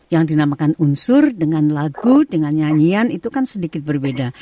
yang dinamakan unsur dengan lagu dengan nyanyian itu kan sedikit berbeda